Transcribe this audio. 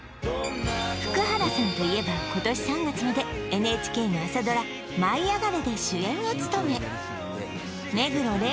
福原さんといえば今年３月までＮＨＫの朝ドラ「舞いあがれ！」で主演を務め目黒蓮